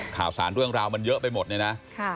ข่าวสารเรื่องราวมันเยอะไปหมดเลยนะ